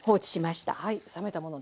はい冷めたものです。